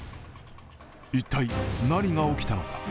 一体、何が起きたのか。